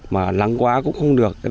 mà lắng quá cũng không được